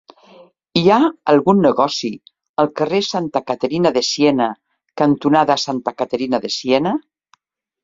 Hi ha algun negoci al carrer Santa Caterina de Siena cantonada Santa Caterina de Siena?